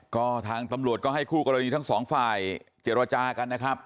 ก็ทางตำรวจก็ให้คู่กรณีทั้งสองฝ่ายเจรจากันนะครับ